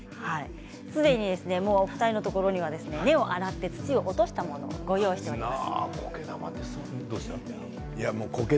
すでにお二人のところには根っこを洗って土を落としたものご用意しています。